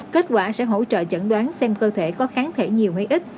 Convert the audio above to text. kết quả sẽ hỗ trợ chẩn đoán xem cơ thể có kháng thể nhiều hay ít